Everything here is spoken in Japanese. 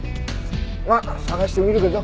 まあ捜してみるけど。